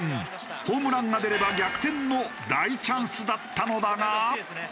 ホームランが出れば逆転の大チャンスだったのだが。